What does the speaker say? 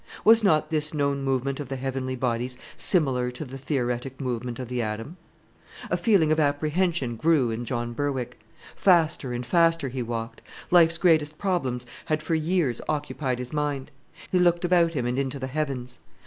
Was not this known movement of the heavenly bodies similar to the theoretic movement of the atom? A feeling of apprehension grew in John Berwick; faster and faster he walked. Life's greatest problems had for years occupied his mind. He looked about him and into the heavens.